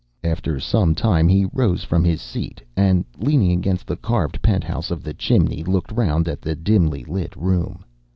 After some time he rose from his seat, and leaning against the carved penthouse of the chimney, looked round at the dimly lit room.